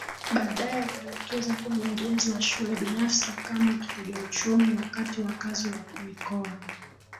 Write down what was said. baadaye waliwekeza kwenye ujenzi wa shule binafsi kama kitegauchumi wakati wakazi wa mikoa